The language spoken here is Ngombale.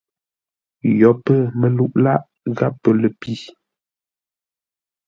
Yo pə̂ məlu lâʼ gháp pə ləpi.